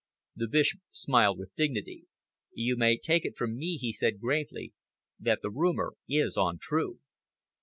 The Bishop smiled with dignity. "You may take it from me," he said gravely, "that the rumour is untrue."